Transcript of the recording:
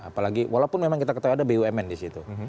apalagi walaupun memang kita ketahui ada bumn di situ